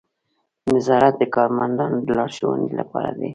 نظارت د کارمندانو د لارښوونې لپاره دی.